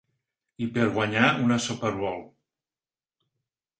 I per guanyar una Super Bowl.